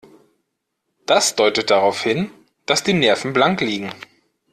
Das deutet darauf hin, dass die Nerven blank liegen.